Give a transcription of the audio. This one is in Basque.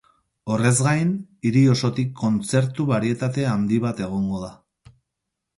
Horrez gain, hiri osotik kontzertu barietate handi bat egongo da.